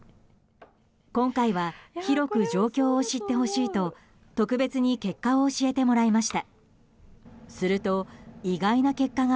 今回は広く状況を知ってほしいと特別に結果を教えてもらいました。